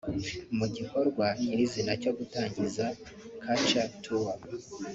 Mu gikorwa nyirizina cyo gutangiza culture tour